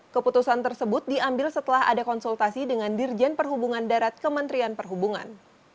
keputusan tersebut diambil setelah ada konsultasi dengan dirjen perhubungan darat kementerian perhubungan